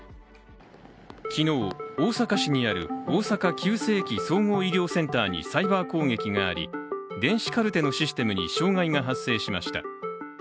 昨日、大阪市にある大阪急性期・総合医療センターにサイバー攻撃があり、電子カルテのシステムに障害が発生しました。